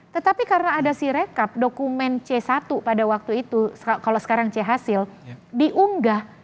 tetapi karena ada sirekap dokumen c satu pada waktu itu kalau sekarang c hasil diunggah